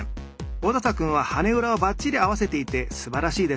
小佐々君は羽裏をばっちり合わせていてすばらしいです。